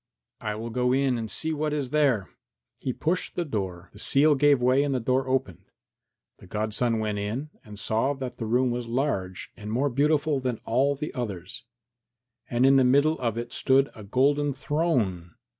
I will go in and see what is there." He pushed the door; the seal gave way and the door opened. The godson went in and saw that the room was large and more beautiful than all the others, and in the middle of it stood a golden throne.